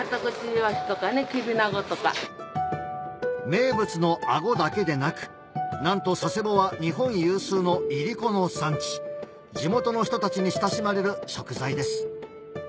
名物のアゴだけでなくなんと佐世保は日本有数のいりこの産地地元の人たちに親しまれる食材です